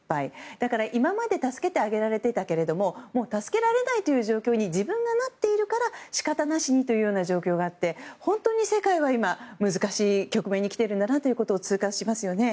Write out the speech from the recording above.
だから今までは助けてあげられてたけども助けられないという状況に自分がなっているから仕方なしにという状況があって本当に世界は今難しい局面に来ているんだなと痛感しますよね。